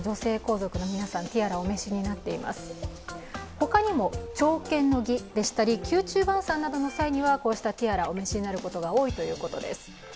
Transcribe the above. ほかにも朝見の儀でしたり、宮中晩さんのときにこうしたティアラをお召しになることが多いということです。